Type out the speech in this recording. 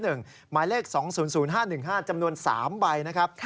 หมายเลข๒๐๐๕๑๕จำนวน๓ใบนะครับ